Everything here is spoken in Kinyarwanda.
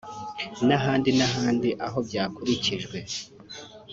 n’ahandi n’ahandi aho byakurikijwe